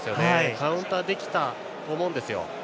カウンターできたと思うんですよ。